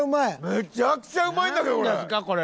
めちゃくちゃうまいんだけどこれ！